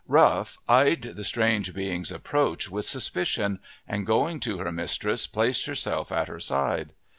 Rough eyed the strange being's approach with suspicion, and going to her mistress placed herself at her side.